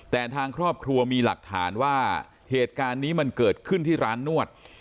แต่ทางครอบครัวมีหลักฐานว่าเหตุการณ์นี้มันเกิดขึ้นที่ร้านนวด